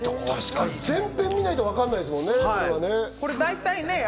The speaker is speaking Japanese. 全編見ないとわからないですもんね。